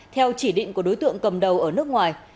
theo chỉ định của đối tượng cầm đầu ở nước ngoài